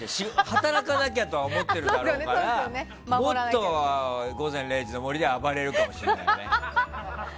働かなきゃとは思ってるだろうからもっと「午前０時の森」では暴れるかもしれないね。